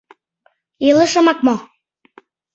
— Илышымак мо?